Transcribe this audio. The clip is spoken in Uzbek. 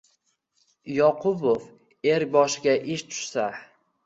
Yoqubov, Er boshiga ish tushsa